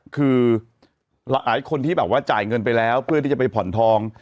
คือหลายคนที่แบบว่าจ่ายเงินไปแล้วเพื่อที่จะไปผ่อนทอง